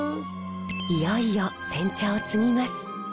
いよいよ煎茶をつぎます。